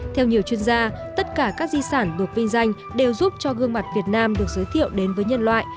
theo nhiều chuyên gia tất cả các di sản được vinh danh đều giúp cho gương mặt việt nam được giới thiệu đến với nhân loại